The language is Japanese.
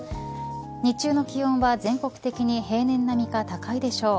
日中の気温は全国的に平年並みか高いでしょう。